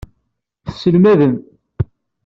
Tesselmadem.